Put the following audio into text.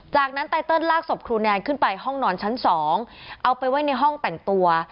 จากนั้นไตเติลลากศพครูแนนขึ้นไปห้องนอนชั้น๒เอาไปไว้ในห้องแต่งตัว